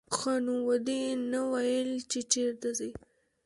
ښه نو ودې نه ویل چې چېرته ځې.